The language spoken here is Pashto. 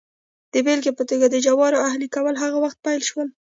د بېلګې په توګه د جوارو اهلي کول هغه وخت پیل شول